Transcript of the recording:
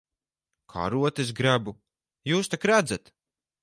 Karotes grebu. Jūs tak redzat.